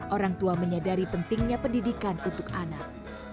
orang tua menyadari pentingnya pendidikan untuk anak